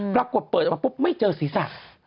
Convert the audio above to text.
ปรากฏเปิดออกมาปุ๊บไม่เจอศีรษะ